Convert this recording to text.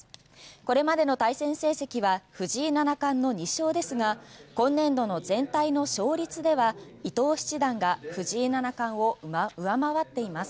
これまでの対戦成績は藤井七冠の２勝ですが今年度の全体の勝率では伊藤七段が藤井七冠を上回っています。